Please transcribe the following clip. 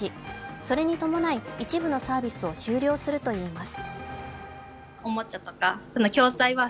それに伴い、一部のサービスを終了するといいます。